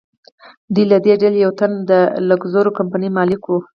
دوی له دې ډلې یو تن د لکزور کمپنۍ مالک و.